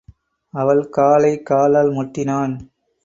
அவள் காலை காலால் முட்டினான்.